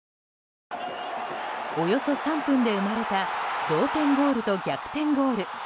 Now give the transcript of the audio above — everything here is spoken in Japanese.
およそ３分で生まれた同点ゴールと逆転ゴール。